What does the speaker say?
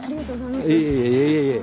いえいえ。